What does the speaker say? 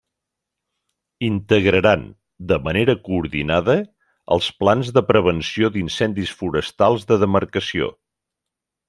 Integraran, de manera coordinada, els plans de prevenció d'incendis forestals de demarcació.